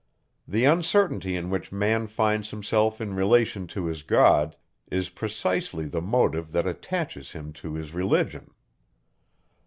The uncertainty in which man finds himself in relation to his God, is precisely the motive that attaches him to his religion.